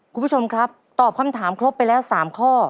คุณผู้ชมครับตอบคำถามครบไปแล้ว๓ข้อ